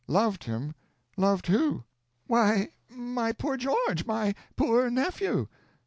"'Loved him! Loved who?' "'Why, my poor George! my poor nephew!'